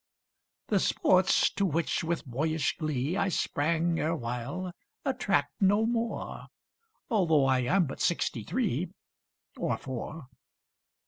The sports, to which with boyish glee I sprang erewhile, attract no more: Although I am but sixty three Or four.